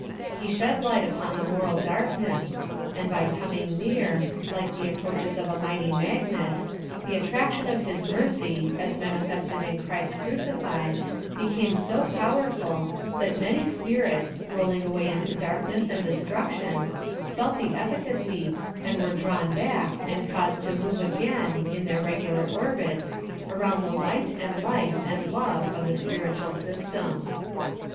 He shed light upon the moral darkness, and by coming near, like the approaches of a mighty magnet, the attraction of his mercy, as manifested in Christ crucified, became so pow erful, tliat many spirits, rolling away into darkness and destruction, felt tlie efficacy, and were drawn 182 PHILOSOPHY OF THE back, and caused to move again, in their regular orbits, around the ' Light' and ' LilV and ' Love' of the spiritual system.